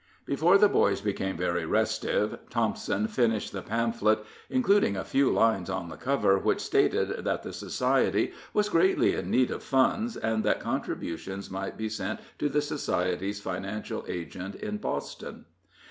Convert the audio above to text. Before the boys became very restive, Thompson finished the pamphlet, including a few lines on the cover, which stated that the society was greatly in need of funds, and that contributions might be sent to the society's financial agent in Boston.